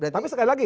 tapi sekali lagi